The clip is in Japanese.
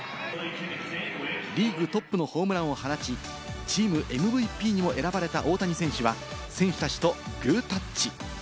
リーグトップのホームランを放ち、チームＭＶＰにも選ばれた大谷選手は、選手たちとグータッチ。